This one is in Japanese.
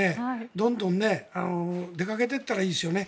どんどん出かけていったらいいですよね。